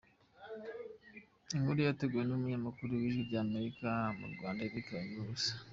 Inkuru yateguwe n’umunyamakuru w’Ijwi ry’Amerika mu Rwanda Eric Bagiruwubusa